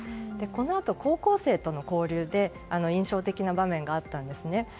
このあと、高校生との交流で印象的な場面があったんですね。